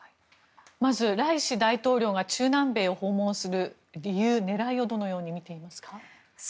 まずライシ大統領が中南米を訪問する狙いをどのように見ていますか？